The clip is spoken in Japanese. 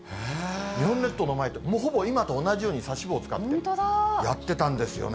日本列島の前、ほぼ今と同じように指し棒を使ってやってたんですよね。